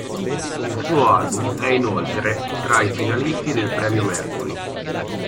Il suo album è inoltre tra i finalisti del Premio Mercury.